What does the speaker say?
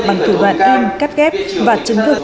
bằng thử đoạn in cắt ghép và chứng thực